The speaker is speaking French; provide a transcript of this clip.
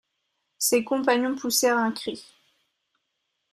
Ses compagnons poussèrent un cri.